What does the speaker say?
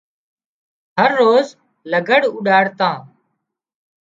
هروز لگھڙ اُوڏاڙتان